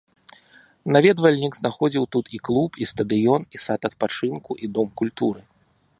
Наведвальнік знаходзіў тут і клуб, і стадыён, і сад адпачынку, і дом культуры.